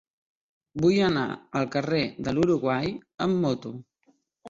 Vull anar al carrer de l'Uruguai amb moto.